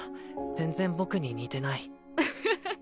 全然僕に似てないウフフ